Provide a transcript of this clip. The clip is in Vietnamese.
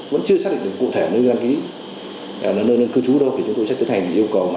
vẫn chưa xác định được cụ thể nơi đăng ký nơi nơi cư trú đâu thì chúng tôi sẽ tiến hành yêu cầu mà